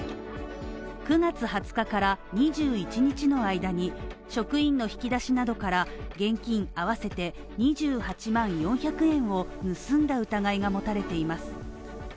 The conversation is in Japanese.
９月２０日から２１日の間に職員の引き出しなどから現金合わせて２８万４００円を盗んだ疑いが持たれています。